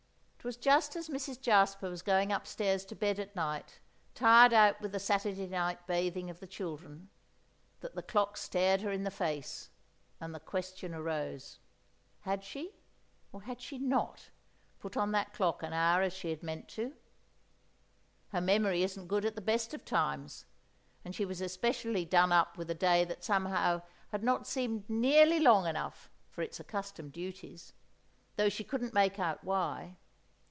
It was just as Mrs. Jasper was going upstairs to bed at night, tired out with the Saturday night bathing of the children, that the clock stared her in the face, and the question arose: Had she, or had she not, put on that clock an hour as she had meant to? Her memory isn't good at the best of times, and she was especially done up with a day that somehow had not seemed nearly long enough for its accustomed duties, though she couldn't make out why.